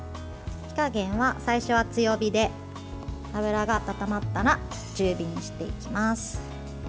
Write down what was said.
火加減は最初は強火で油が温まったら中火にしていきます。